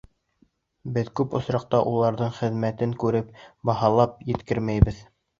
Беҙ күп осраҡта уларҙың хеҙмәтен күреп, баһалап еткермәйбеҙ.